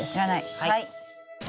はい。